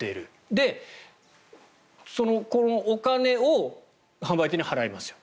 で、このお金を販売店に払いますよ。